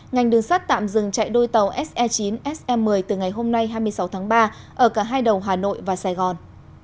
ngành đường sắt tạm dừng chạy đôi tàu se chín se một mươi từ ngày hôm nay hai mươi sáu tháng ba ở cả hai đầu hà nội và sài gòn